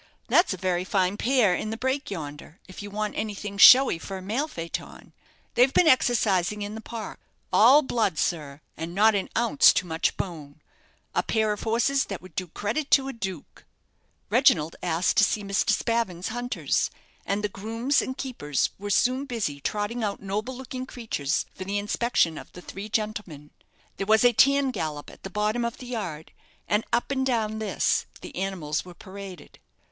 "That's a very fine pair in the break yonder, if you want anything showy for a mail phaeton. They've been exercising in the park. All blood, sir, and not an ounce too much bone. A pair of hosses that would do credit to a dook." Reginald asked to see Mr. Spavin's hunters, and the grooms and keepers were soon busy trotting out noble looking creatures for the inspection of the three gentlemen. There was a tan gallop at the bottom of the yard, and up and down this the animals were paraded.